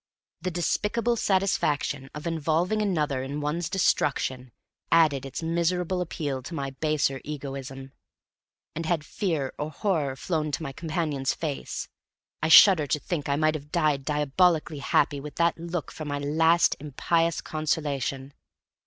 The despicable satisfaction of involving another in one's destruction added its miserable appeal to my baser egoism; and had fear or horror flown to my companion's face, I shudder to think I might have died diabolically happy with that look for my last impious consolation.